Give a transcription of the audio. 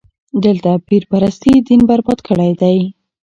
دلته پير پرستي دين برباد کړی دی.